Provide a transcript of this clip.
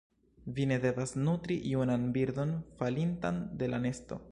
Vi ne devas nutri junan birdon falintan de la nesto.